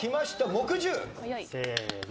木１０！せーの。